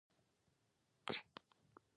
په باران ورېدلو زمکې زرغوني شي۔